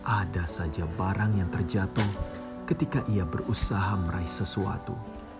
ada saja barang yang terjatuh ketika ia berusaha meraih sesuatu